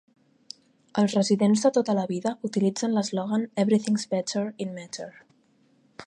Els residents de tota la vida utilitzen l'eslògan "Everything's Better in Metter".